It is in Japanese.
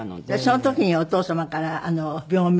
その時にお父様から病名？